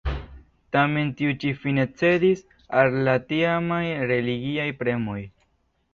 Tamen, tiu ĉi fine cedis al la tiamaj religiaj premoj.